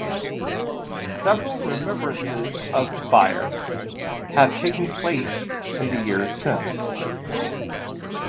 Several remembrances of the fire have taken place in the years since.